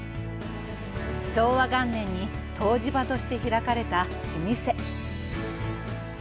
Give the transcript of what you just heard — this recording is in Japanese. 昭和元年に湯治場として開かれた老舗。